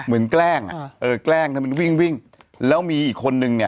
แกล้งอ่ะเออแกล้งทำไมมันวิ่งวิ่งแล้วมีอีกคนนึงเนี่ย